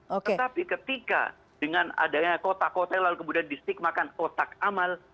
tetapi ketika dengan adanya kotak kotak lalu kemudian disetigmakan kotak amal